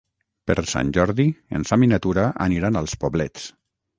Per Sant Jordi en Sam i na Tura aniran als Poblets.